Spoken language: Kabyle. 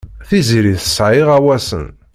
Tiziri tesɛa iɣawasen.